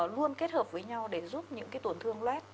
luôn kết hợp với nhau để giúp những cái tổn thương lét